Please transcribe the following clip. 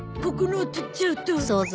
ここのを取っちゃうと。